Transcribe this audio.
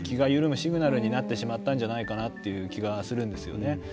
シグナルになってしまったんじゃないかなって気がするんですよね。